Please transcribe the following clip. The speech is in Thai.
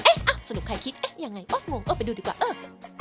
เอ๊ะอ้าวสนุกใครคิดเอ๊ะยังไงอ้องงก็ไปดูดีกว่าเออ